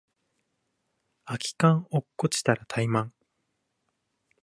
空き缶落っこちたらタイマン